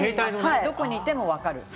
どこにいても分かる。